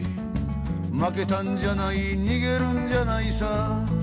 「負けたんじゃない逃げるんじゃないさ」